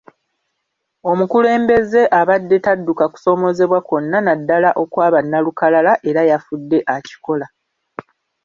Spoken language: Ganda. Omukulembeze abadde tadduka kusomoozebwa kwonna naddala okwa bannalukalala era yafudde akikola.